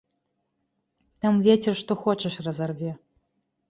Там вецер што хочаш разарве.